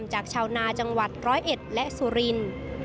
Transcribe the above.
จากชาวนาจังหวัดร้อยเอ็ดและสุรินทร์